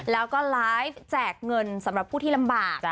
แล้วก็ไลฟ์แจกเงินสำหรับผู้ที่ลำบาก